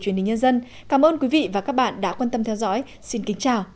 truyền hình nhân dân cảm ơn quý vị và các bạn đã quan tâm theo dõi xin kính chào và hẹn gặp lại